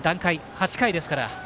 ８回ですから。